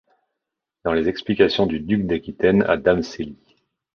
Dans les explications du Duc d'Aquitaine à Dame Séli.